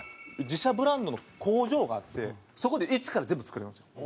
自社ブランドの工場があってそこで一から全部作れますよ。